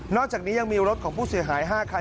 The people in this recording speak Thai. อกจากนี้ยังมีรถของผู้เสียหาย๕คัน